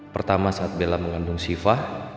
pertama saat bella mengandung sifah